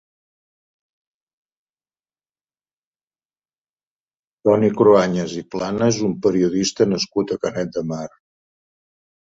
Toni Cruanyes i Plana és un periodista nascut a Canet de Mar.